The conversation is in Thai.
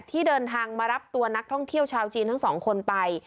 ที่เดินทางมารับตัวนักท่องเที่ยวชาวจีนทั้งสองคนไป